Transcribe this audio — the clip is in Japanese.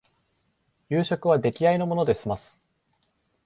夕食は出来合いのもので済ます